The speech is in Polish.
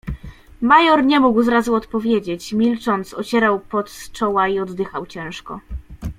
"Major nie mógł zrazu odpowiedzieć, milcząc ocierał pot z czoła i oddychał ciężko."